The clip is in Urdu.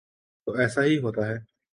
تو ایسا ہی ہوتا ہے۔